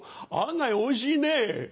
案外おいしいね。